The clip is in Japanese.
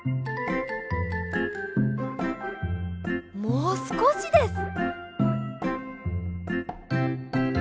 もうすこしです！